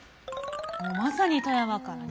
まさに富山からね。